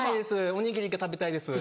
おにぎりが食べたいです。